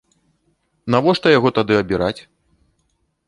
Навошта яго тады абіраць?